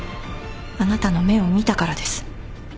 あなたの目を見たからです。